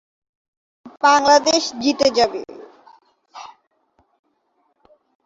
নির্বাচনী প্রচারণা দিল্লির নির্বাচনের ফলাফল নির্ধারণে গুরুত্বপূর্ণ ভূমিকা পালন করেছে।